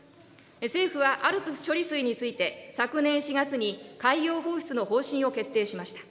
政府はＡＬＰＳ処理水について、昨年４月に海洋放出の方針を決定しました。